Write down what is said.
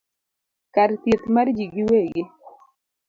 kar thieth mar jii giwegi